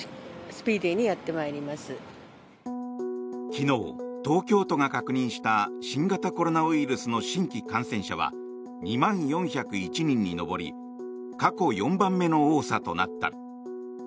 昨日、東京都が確認した新型コロナウイルスの新規感染者は２万４０１人に上り過去４番目の多さとなった。